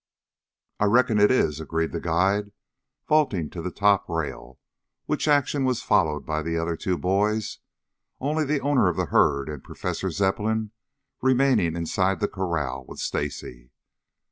"I reckon it is," agreed the guide, vaulting to the top rail, which action was followed by the other two boys, only the owner of the herd and Professor Zepplin remaining inside the corral with Stacy.